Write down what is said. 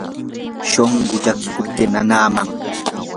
shunquu llakiykupti nanaman.